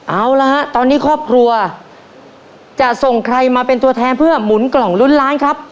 เอาละฮะตอนนี้ครอบครัวจะส่งใครมาเป็นตัวแทนเพื่อหมุนกล่องลุ้นล้านครับ